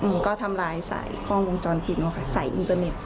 อืมก็ทำลายใส่กล้องวงจรปิดมาใส่อินเทอร์เน็ต